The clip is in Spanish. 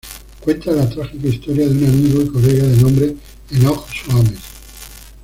Cuenta la trágica historia de un amigo y colega de nombre Enoch Soames.